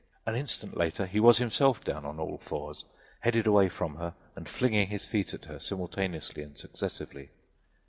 An instant later he was himself down on all fours, headed away from her and flinging his feet at her simultaneously and successively.